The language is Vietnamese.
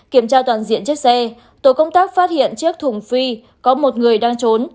kiểm tra toàn diện chiếc xe tổ công tác phát hiện chiếc thùng phi có một người đang trốn